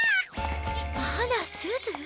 あらすず？